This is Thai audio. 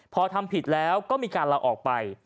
พอทำผิดแล้วก็มีการลาออกไป